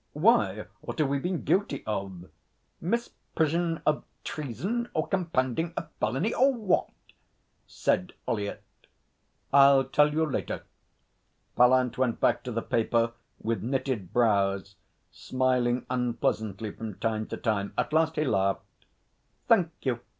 'Why, what have we been guilty of? Misprision of treason or compounding a felony or what?' said Ollyett. 'I'll tell you later.' Pallant went back to the paper with knitted brows, smiling unpleasantly from time to time. At last he laughed. 'Thank you!'